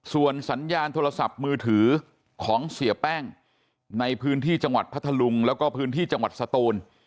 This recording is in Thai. ส่วนสัญญาณโทรศัพท์มือถือของเสียแป้งในพื้นที่จังหวัดพัทธลุงแล้วก็พื้นที่จังหวัดสตูน